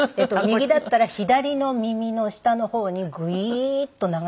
右だったら左の耳の下の方にグイーッと流す。